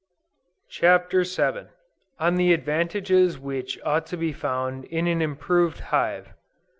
CHAPTER VII. ON THE ADVANTAGES WHICH OUGHT TO BE FOUND IN AN IMPROVED HIVE.